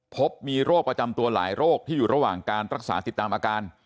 พบมีโรคประจำตัวหลายโรคที่อยู่ระหว่างการรักษาติดตามอาการ